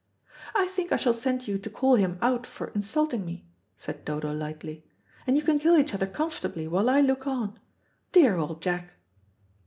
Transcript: "I think I shall send you to call him out for insulting me," said Dodo lightly; "and you can kill each other comfortably while I look on. Dear old Jack."